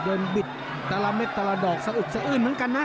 บิดแต่ละเม็ดแต่ละดอกสะอึกสะอื้นเหมือนกันนะ